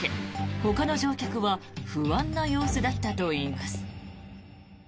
ほかの乗客は不安な様子だったといいます。